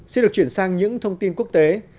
xin được chuyển sang những thông tin quốc tế